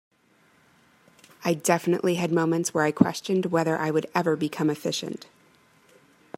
I definitely had moments where I questioned whether I would ever become efficient.